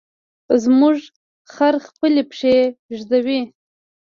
زموږ خر خپلې پښې ږدوي.